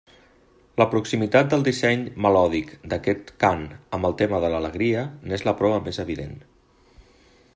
La proximitat del disseny melòdic d'aquest cant amb el tema de l'alegria n'és la prova més evident.